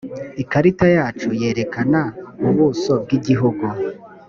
ikarita yacu yerekana ubuso bwi gihugu